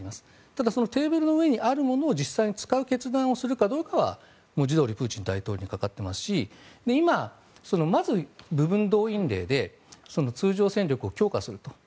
ただ、そのテーブルの上にあるものを実際に使う決断をするかどうかは文字どおりプーチン大統領にかかっていますし今、まず部分動員令で通常戦力を強化すると。